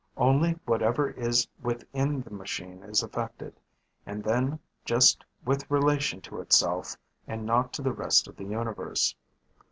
Only whatever is within the machine is affected, and then just with relation to itself and not to the rest of the Universe.